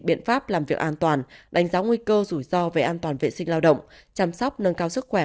biện pháp làm việc an toàn đánh giá nguy cơ rủi ro về an toàn vệ sinh lao động chăm sóc nâng cao sức khỏe